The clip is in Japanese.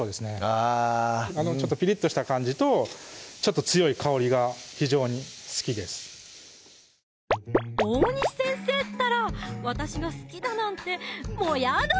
あのちょっとピリッとした感じとちょっと強い香りが非常に好きです大西先生ったら私が好きだなんてもうやだ！